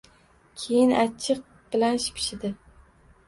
Keyin achchiq bilan shipshidi